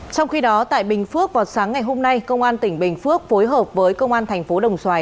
trong khi đó tại bình phước vào sáng ngày hôm nay công an tỉnh bình phước phối hợp với công an thành phố đồng xoài